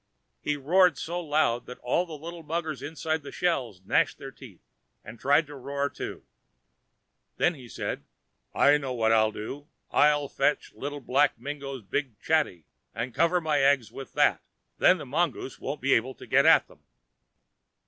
He roared so loud that all the little muggers inside the shells gnashed their teeth, and tried to roar, too. Then he said: "I know what I'll do. I'll fetch Little Black Mingo's big chatty, and cover my eggs with that; then the mongoose won't be able to get at them."